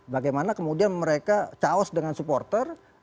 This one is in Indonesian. bagaimana kemudian mereka caos dengan supporter